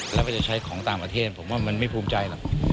แล้วก็จะใช้ของต่างประเทศผมว่ามันไม่ภูมิใจหรอก